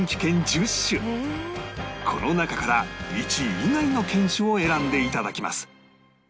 この中から１位以外の犬種を選んで頂きます